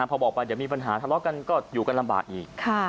พอบอกไปเดี๋ยวมีปัญหาทะเลาะกันก็อยู่กันลำบากอีก